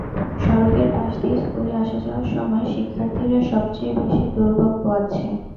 সড়কের পাশ দিয়ে স্কুলে আসা-যাওয়ার সময় শিক্ষার্থীরা সবচেয়ে বেশি দুর্ভোগ পোহাচ্ছে।